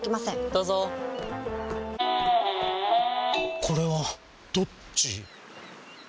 どうぞこれはどっち？